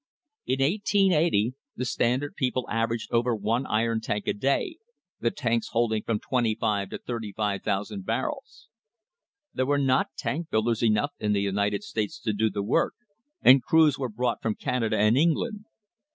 In 1880 the Standard people averaged over one iron tank a day, the tanks holding from 25,000 to 35,000 barrels. There were not tank builders enough in the United States to do the work, and crews were brought from Canada and England.